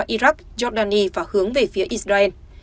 iraq jordani và hướng về phía israel